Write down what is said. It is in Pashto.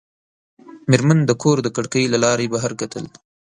مېرمن د کور د کړکۍ له لارې بهر کتل.